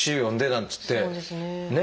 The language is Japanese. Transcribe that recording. なんっつってねえ。